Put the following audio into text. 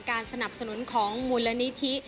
การสนับสนุนของมูลนิธิ